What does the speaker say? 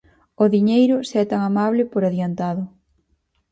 _O diñeiro, se é tan amable, por adiantado.